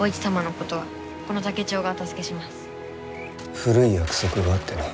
古い約束があってな。